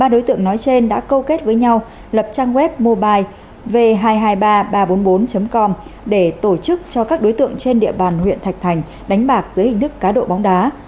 ba đối tượng nói trên đã câu kết với nhau lập trang web mobile v hai trăm hai mươi ba ba trăm bốn mươi bốn com để tổ chức cho các đối tượng trên địa bàn huyện thạch thành đánh bạc dưới hình thức cá độ bóng đá